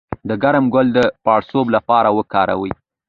د کرم ګل د پړسوب لپاره وکاروئ